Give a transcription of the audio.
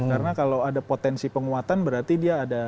karena kalau ada potensi penguatan berarti dia ada